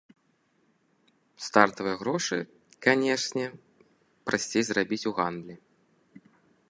Стартавыя грошы, канечне, прасцей зарабіць у гандлі.